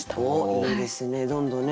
いいですねどんどんね